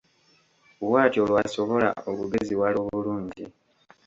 Bw'atyo lw'asobola okugeziwala obulungi.